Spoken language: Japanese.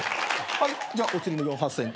はいじゃお釣り８，０００円と。